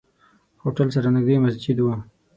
هوټل سره نزدې مسجد وو.